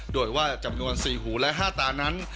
โดยว่าจำนวน๔หูและ๕ตานั้น